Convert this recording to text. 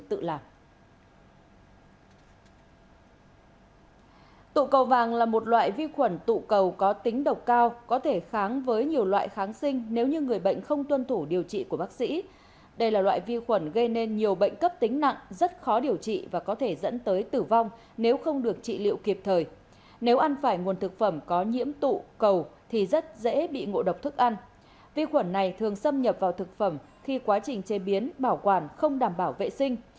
tụ cầu vàng là một loại vi khuẩn tụ cầu có tính độc cao có thể kháng với nhiều loại kháng sinh nếu như người bệnh không tuân thủ điều trị của bác sĩ đây là loại vi khuẩn gây nên nhiều bệnh cấp tính nặng rất khó điều trị và có thể dẫn tới tử vong nếu không được trị liệu kịp thời nếu ăn phải nguồn thực phẩm có nhiễm tụ cầu thì rất dễ bị ngộ độc thức ăn vi khuẩn này thường xâm nhập vào thực phẩm khi quá trình chế biến bảo quản không đảm bảo vệ sinh